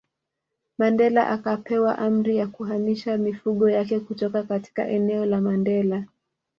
Mandela akapewa amri ya kuhamisha mifugo yake kutoka katika eneo la Mandela